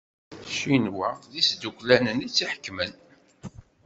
Ccinwa d izduklanen i tt-iḥekmen.